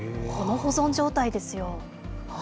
この保存状態ですよ。